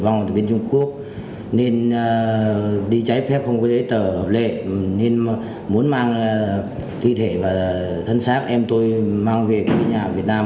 nên đi trái phép không có giấy tờ hợp lệ nên muốn mang thi thể và thân xác em tôi mang về quê nhà việt nam